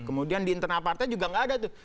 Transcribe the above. kemudian di internal partai juga nggak ada tuh